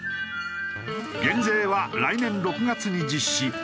減税は来年６月に実施。